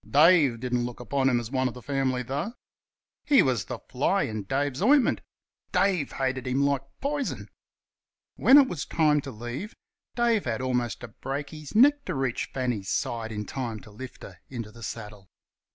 Dave didn't look upon him as one of the family, though. He was the fly in Dave's ointment. Dave hated him like poison. When it was time to leave, Dave had almost to break his neck to reach Fanny's side in time to lift her into the saddle.